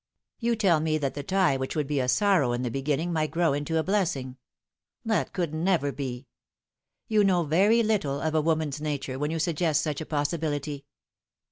" You tell me that the tie which would be a sorrow in the beginning might grow into a blessing. That could never be. You know very little of a woman's nature when you suggest such a possibility.